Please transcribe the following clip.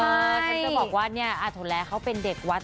ฉันก็บอกว่าเนี่ยโทรแล้วเขาเป็นเด็กวัด